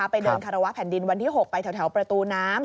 ไปเดินคารวะแผ่นดินวันที่๖ไปแถวประตูน้ำ